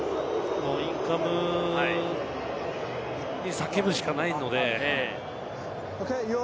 インカムに叫ぶしかないので。